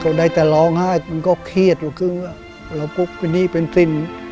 เขาได้แต่ร้องไห้มันก็เครียดอยู่ครึ่งแล้วปุ๊บไปนี่เป็นสิ้น